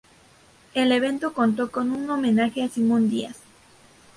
El evento contó con un homenaje a Simón Díaz.